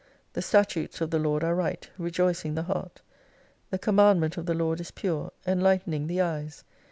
The statutes of the Lord are right, rejoicing the heart ; the commandment of the Lord is pure, enlightening the eyes.